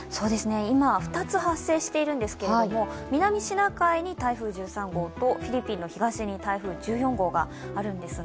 今、２つ発生しているんですけれども、南シナ海に台風１３号とフィリピンの東に台風１４号があるんですが、